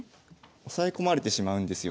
押さえ込まれてしまうんですよ